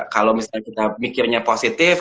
kalau misalnya kita mikirnya positif